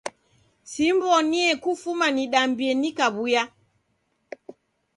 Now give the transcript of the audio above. Simbonie kufuma nidambie nikaw'uya.